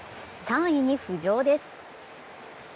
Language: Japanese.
３位に浮上です。